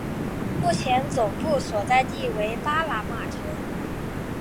目前总部所在地为巴拿马城。